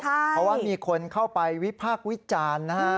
เพราะว่ามีคนเข้าไปวิภาควิจารณ์